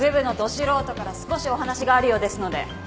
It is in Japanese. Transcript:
素人から少しお話があるようですので。